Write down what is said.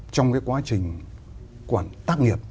trong cái quá trình tác nghiệp